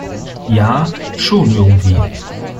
Ja, schon irgendwie.